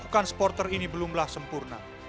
bukan supporter ini belumlah sempurna